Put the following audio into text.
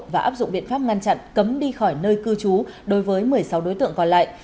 và áp dụng biện pháp ngăn chặn cấm đi khỏi nơi cư trú đối với một mươi sáu đối tượng còn lại